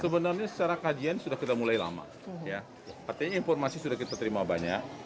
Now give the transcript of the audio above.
sebenarnya secara kajian sudah kita mulai lama artinya informasi sudah kita terima banyak